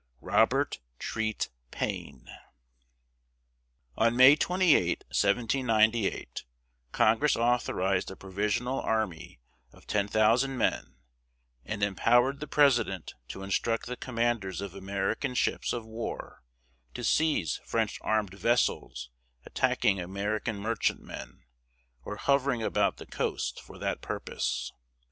ROBERT TREAT PAINE. On May 28, 1798, Congress authorized a provisional army of ten thousand men and empowered the President to instruct the commanders of American ships of war to seize French armed vessels attacking American merchantmen, or hovering about the coast for that purpose.